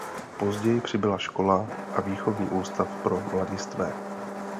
Později přibyla škola a výchovný ústav pro mladistvé.